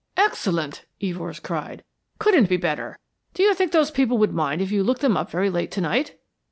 "Excellent," Evors cried. "Couldn't be better. Do you think those people would mind if you looked them up very late to night?"